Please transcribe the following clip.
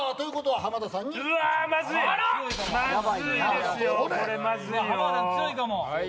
浜田さん強いかも。